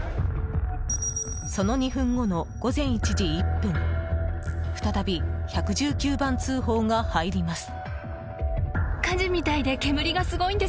その２分後の午前１時１分再び１１９番通報が入ります。